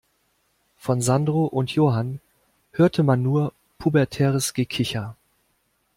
Von Sandro und Johann hörte man nur pubertäres Gekicher.